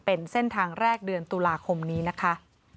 เป็นเส้นทางแรกเดือนตุลาคมนี้นะคะ